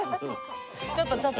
ちょっとちょっと。